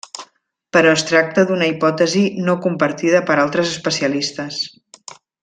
Però es tracta d’una hipòtesi no compartida per altres especialistes.